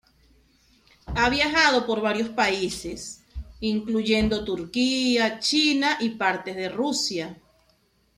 Ha viajado por varios países, incluyendo Turquía, China y partes de Rusia.